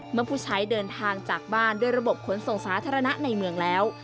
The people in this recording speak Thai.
เมื่อผู้ใช้เดินทางจากบ้านด้วยระบบขนส่งสาธารณะในเมืองแล้ว